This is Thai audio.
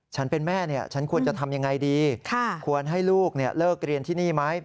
ฉันเป็นแม่ฉันควรจะทำยังไงดีควรให้ลูกเลิกเรียนที่นี่ไหม